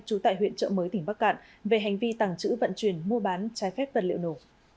trú tại huyện trợ mới tỉnh bắc cạn về hành vi tàng trữ vận chuyển mua bán trái phép vật liệu nổ